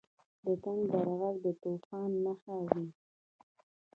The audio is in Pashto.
• د تندر ږغ د طوفان نښه وي.